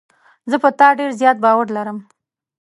زه په تا ډېر زیات باور لرم.